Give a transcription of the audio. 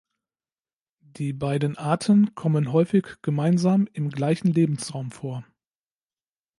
Die beiden Arten kommen häufig gemeinsam im gleichen Lebensraum vor.